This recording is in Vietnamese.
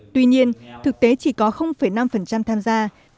tuy nhiên thực tế chỉ có năm tham gia